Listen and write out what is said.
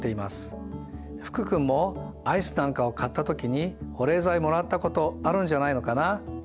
福君もアイスなんかを買った時に保冷剤もらったことあるんじゃないのかな？